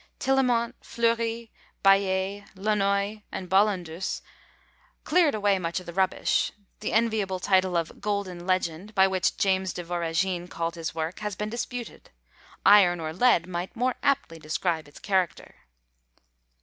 Tillemont, Fleury, Baillet, Launoi, and Bollandus, cleared away much of the rubbish; the enviable title of Golden Legend, by which James de Voragine called his work, has been disputed; iron or lead might more aptly describe its character.